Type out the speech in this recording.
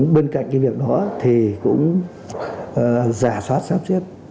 bên cạnh cái việc đó thì cũng giả soát sắp xếp